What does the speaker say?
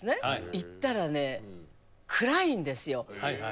行ったらね暗いんですよ。